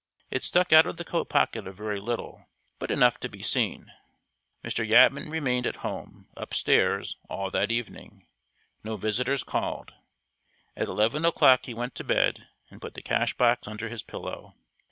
It stuck out of the coat pocket a very little, but enough to be seen. Mr. Yatman remained at home, upstairs, all that evening. No visitors called. At eleven o'clock he went to bed, and put the cash box under his pillow.